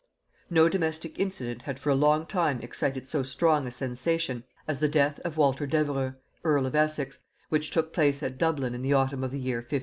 No domestic incident had for a long time excited so strong a sensation as the death of Walter Devereux earl of Essex, which took place at Dublin in the autumn of the year 1576.